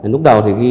lúc đầu thì